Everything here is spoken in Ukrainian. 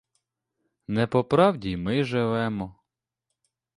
Не по правді й ми живемо!